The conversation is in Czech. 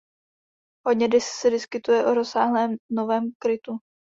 Hodně se diskutuje o rozsáhlém novém krytu.